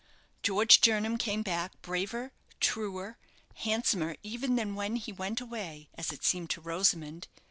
George Jernam came back braver, truer, handsomer even than when he went away, as it seemed to Rosamond.